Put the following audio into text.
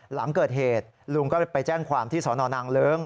หลังเกิดเหตุลุงก็ไปแจ้งความที่สนนางเลิ้ง